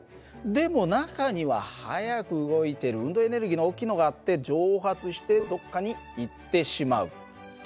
でも中には速く動いてる運動エネルギーの大きいのがあって蒸発してどっかに行ってしまうという事もある訳だ。